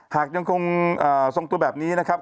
หากยังคงทรงตัวแบบนี้นะครับ